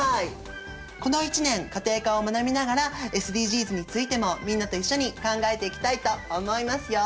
この１年家庭科を学びながらＳＤＧｓについてもみんなと一緒に考えていきたいと思いますよ。